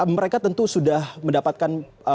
mereka tentu sudah mendapatkan